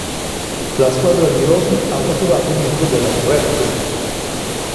La squadra di Rosen ha catturato un membro della “Red Flag”.